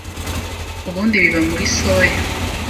ubundi biba muri soya